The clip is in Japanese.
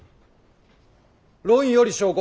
論より証拠。